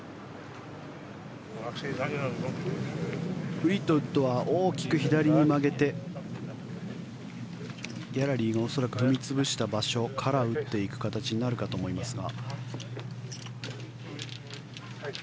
フリートウッドは大きく左に曲げてギャラリーが恐らく踏み潰した場所から打っていく形になるかと思いますが。